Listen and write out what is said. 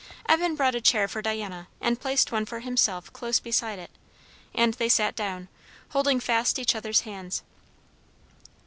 Evan brought a chair for Diana and placed one for himself close beside it, and they sat down, holding fast each other's hands.